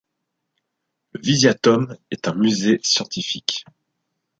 Le Visiatome est un musée scientifique.